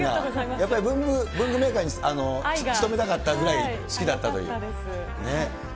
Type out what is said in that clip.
やっぱり文具メーカーに勤めたかったぐらい好きだったという。